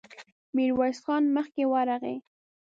ميرويس خان مخکې ورغی.